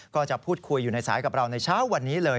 ก็จะพูดคุยอยู่ในสายกับเราในเช้าวันนี้เลย